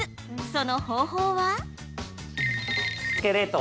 その方法は？